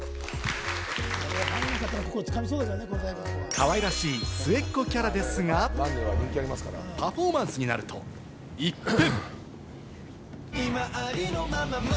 かわいらしい末っ子キャラですが、パフォーマンスになると一変。